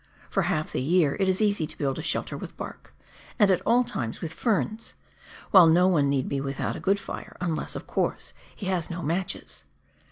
For half the year it is easy to build a shelter with bark, and at all times with ferns, while no one need be without a good fire, unless, of course, he has no matches.